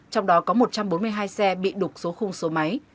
trong đó có một trăm bốn mươi hai xe bị đục số khung số máy